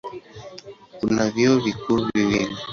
Kuna vyuo vikuu viwili.